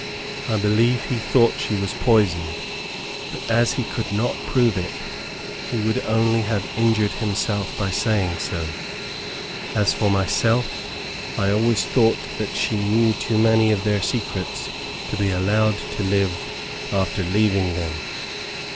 I believe he thought she was poisoned, but as he could not prove it, he would only have injured himself by saying so. As for myself, I always thought that she knew too many of their secrets to be allowed to live after leaving them.